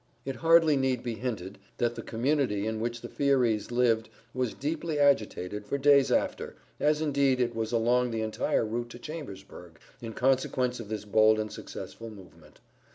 It hardly need be hinted, that the community in which the Fierys lived was deeply agitated for days after, as indeed it was along the entire route to Chambersburg, in consequence of this bold and successful movement.